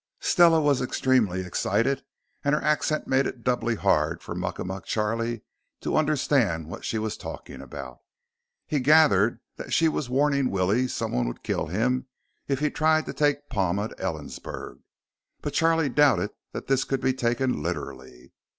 Stella was extremely excited, and her accent made it doubly hard for Muckamuck Charlie to understand what she was talking about. He gathered that she was warning Willie someone would kill him if he tried to take Palma to Ellensburg, but Charlie doubted that this could be taken literally.